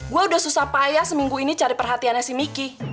gue udah susah payah seminggu ini cari perhatiannya si miki